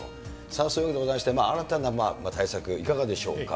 さあそういうわけでございまして、新たな対策、いかがでしょうか。